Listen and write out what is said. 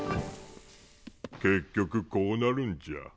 結局こうなるんじゃ。